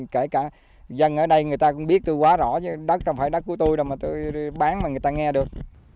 kể cả dân ở đây người ta cũng biết tôi quá rõ chứ đất không phải đất của tôi đâu mà tôi bán mà người ta nghe được